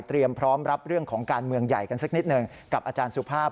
พร้อมรับเรื่องของการเมืองใหญ่กันสักนิดหนึ่งกับอาจารย์สุภาพ